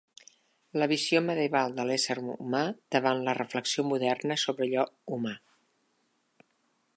La visió medieval de l'ésser humà davant la reflexió moderna sobre allò humà.